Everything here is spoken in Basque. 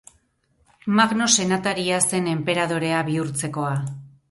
Magno senataria zen enperadorea bihurtzekoa.